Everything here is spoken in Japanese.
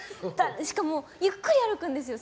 しかもゆっくり歩くんですよ